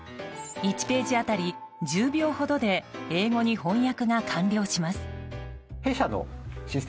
１ページ当たり１０秒ほどで英語に翻訳が完了します。